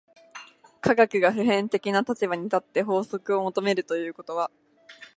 科学が普遍的な立場に立って法則を求めるということは、